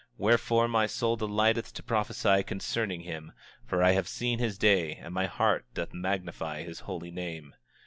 Wherefore, my soul delighteth to prophesy concerning him, for I have seen his day, and my heart doth magnify his holy name.